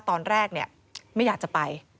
ตอนแรกไม่อยากจะไป